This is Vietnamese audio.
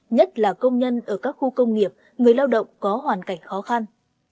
nhất là công nhân ở các khu công nghiệp người lao động có hoàn cảnh khó khăn